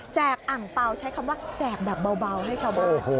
อังเปล่าใช้คำว่าแจกแบบเบาให้ชาวบ้าน